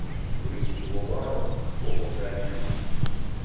W'urighiti ghobarwa ghoko gali nandighi.